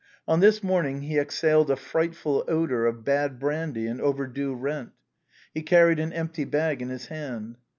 On this morning he exhaled a frightful odor of bad brandy and over due rent. He carried an empty bag in his hand.